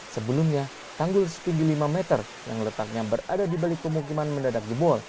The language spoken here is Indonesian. sebelumnya tanggul setinggi lima meter yang letaknya berada di balik pemukiman mendadak jebol